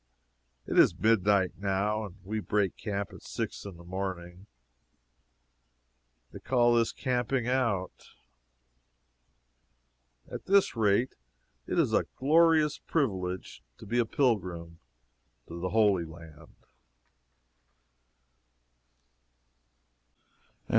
It is midnight, now, and we break camp at six in the morning. They call this camping out. At this rate it is a glorious privilege to be a pilgrim to the Holy Land.